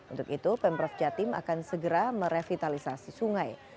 untuk itu pemprov jawa timur akan segera merevitalisasi sungai